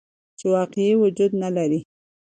چې واقعي وجود نه لري.